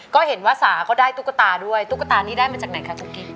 ก็เห็นว่าสาเขาได้ตุ๊กตาด้วยตุ๊กตานี้ได้มาจากไหนคะตุ๊กกี้